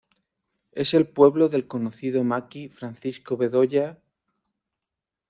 Es el pueblo del conocido maqui Francisco Bedoya.